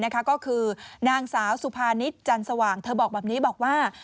ก็คือนางสาวสุภานิษฐ์จันสว่างเธอบอกแบบนี้บอกว่า